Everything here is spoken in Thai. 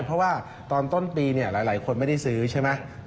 เพราะว่าตอนต้นปีเนี่ยหลายคนไม่ได้ซื้อใช่ไหม